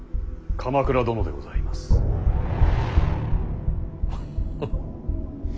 鎌倉殿でございます。フッフ。